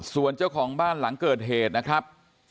ส่วนเจ้าของบ้านหลังเกิดเหตุนะครับ